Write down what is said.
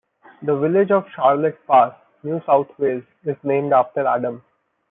The village of Charlotte Pass, New South Wales is named after Adams.